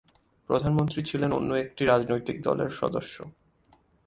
প্রধানমন্ত্রী ছিলেন অন্য একটি রাজনৈতিক দলের সদস্য।